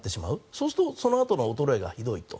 そうするとそのあとの衰えがひどいと。